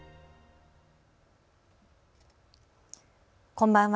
こんばんは。